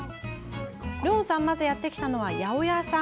まず、やって来たのは八百屋さん。